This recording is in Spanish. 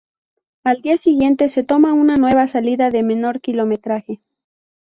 Al día siguiente se toma una nueva salida de menor kilometraje.